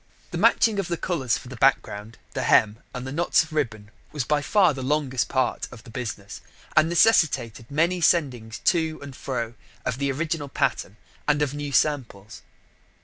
The matching of the colours for the background, the hem, and the knots of ribbon was by far the longest part of the business, and necessitated many sendings to and fro of the original pattern and of new samples.